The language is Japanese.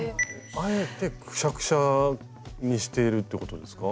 あえてクシャクシャにしているってことですか？